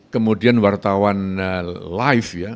kemudian wartawan live ya